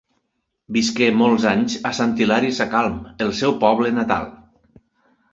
Visqué molts anys a Sant Hilari Sacalm, el seu poble natal.